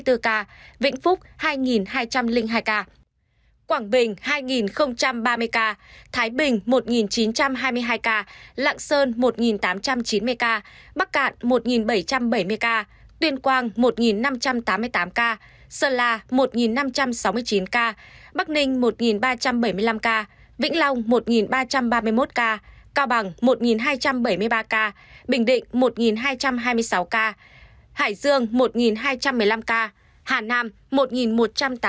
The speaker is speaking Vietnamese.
quảng bình hai ba mươi ca thái bình một chín trăm hai mươi hai ca lạng sơn một tám trăm chín mươi ca bắc cạn một bảy trăm bảy mươi ca tuyên quang một năm trăm tám mươi tám ca sơn la một năm trăm sáu mươi chín ca bắc ninh một ba trăm bảy mươi năm ca vĩnh long một ba trăm ba mươi một ca cao bằng một hai trăm bảy mươi ba ca bình định một hai trăm bảy mươi ba ca hà giang hai hai trăm chín mươi bốn ca vĩnh phúc hai hai trăm linh hai ca